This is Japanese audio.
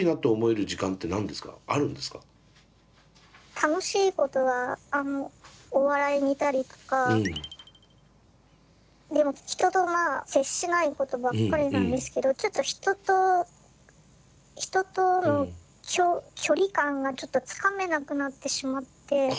楽しいことはお笑い見たりとかでも人と接しないことばっかりなんですけどちょっと人と人との距離感がちょっとつかめなくなってしまって。